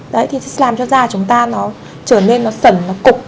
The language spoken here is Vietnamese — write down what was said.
đấy thì làm cho da chúng ta nó trở nên nó sẩn nó cục